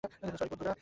Sorry, বন্ধুরা।